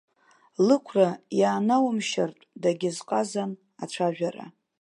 Лықәра иаанаумшьартә дагьазҟазан ацәажәара.